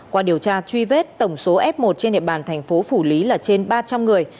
qua điều tra truy vết tổng số f một trên địa bàn thành phố phủ lý là trên ba trăm linh người